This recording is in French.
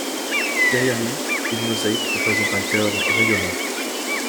Derrière lui, une mosaïque représente un cœur rayonnant.